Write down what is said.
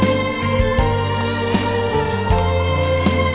lu udah ngapain